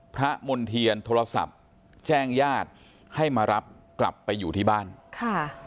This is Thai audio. มณ์เทียนโทรศัพท์แจ้งญาติให้มารับกลับไปอยู่ที่บ้านค่ะ